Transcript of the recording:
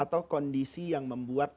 atau kondisi yang membuat